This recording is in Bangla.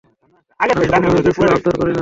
আমি তো কখনোই কিছুর আবদার করি না।